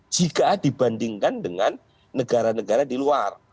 jika dibandingkan dengan negara negara di luar